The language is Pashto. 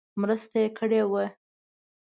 مرسته کړې وه.